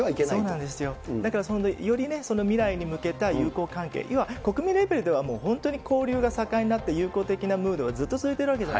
そうなんですよ、より未来に向けた友好関係、いわば国民レベルでは本当にもう交流が盛んになって、友好的なムードずっと続いてるわけです。